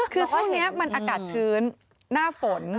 คือช่วงนี้มันอากาศชื้นหน้าฝน